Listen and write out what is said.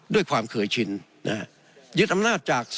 ด้วยความเคยชิน